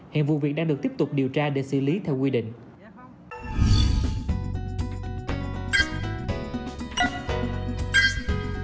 hiện vụ việc đang được tiếp tục điều tra để xử lý theo quy định